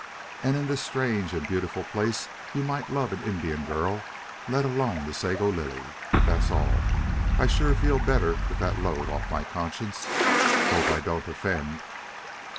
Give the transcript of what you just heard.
And in this strange and beautiful place you might love an Indian girl, let alone the Sago Lily. That's all. I sure feel better with that load off my conscience. Hope I don't offend."